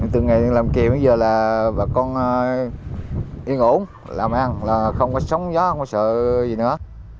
từ ngày làm kèm đến giờ là bà con yên ổn làm ăn không có sống gió không có sợ gì nữa